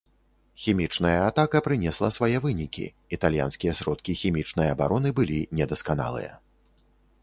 Хімічная атака прынесла свае вынікі, італьянскія сродкі хімічнай абароны былі недасканалыя.